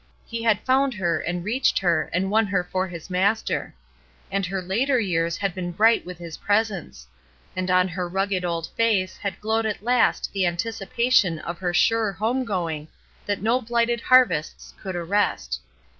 He had found her and reached her and won her for his Master; and her later years had been bright with His presence; and on her rugged old face had glowed at last the anticipation of her sure home going, that no blighted harvests could arrest.